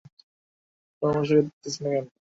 খুড়ামশায়কে দেখিতেছি না কেন?